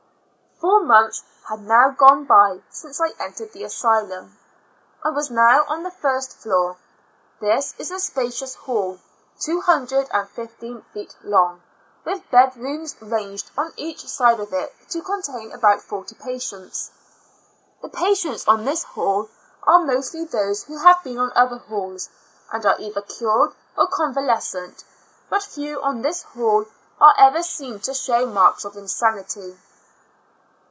Four months had now gone by since I entered the asylum. I was now on the first floor. This is a spacious hall, two hundred and fifteen feet long, with bed rooms ranged on each side of it to contain about forty patients. The patients on this hall are mostly those who have been on other halls, and are either cured or convalescent; but few on this hall are ever seen to show marks of insanity.